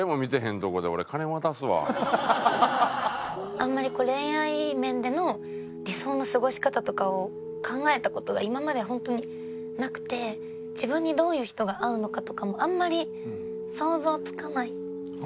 あんまり恋愛面での理想の過ごし方とかを考えた事が今まで本当になくて自分にどういう人が合うのかとかもあんまり想像つかなかったり。